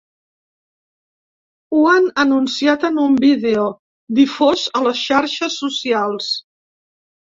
Ho han anunciat en un vídeo difós a les xarxes socials.